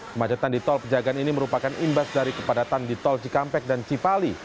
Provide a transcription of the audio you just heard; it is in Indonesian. kemacetan di tol pejagaan ini merupakan imbas dari kepadatan di tol cikampek dan cipali